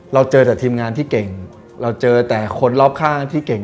เราเจอแต่ทีมงานที่เก่งเราเจอแต่คนรอบข้างที่เก่ง